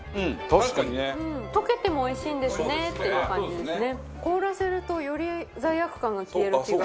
奈緒：溶けてもおいしいんですねっていう感じですね。